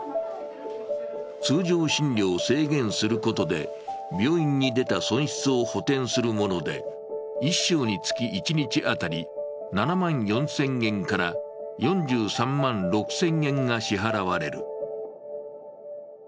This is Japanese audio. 通常診療を制限することで病院に出た損失を補填するもので、１床につき一日当たり７万４０００円から４３万６０００円が支払われる。